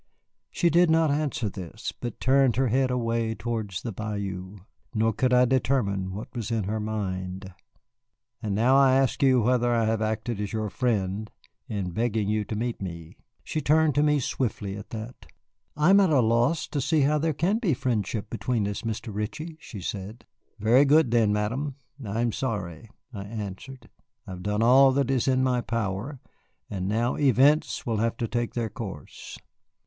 She did not answer this, but turned her head away towards the bayou. Nor could I determine what was in her mind. "And now I ask you whether I have acted as your friend in begging you to meet me." She turned to me swiftly at that. "I am at a loss to see how there can be friendship between us, Mr. Ritchie," she said. "Very good then, Madame; I am sorry," I answered. "I have done all that is in my power, and now events will have to take their course."